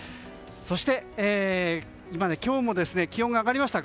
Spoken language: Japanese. そして今日も気温が上がりました。